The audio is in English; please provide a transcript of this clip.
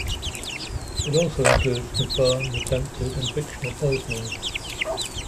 It also includes confirmed attempted and fictional poisonings.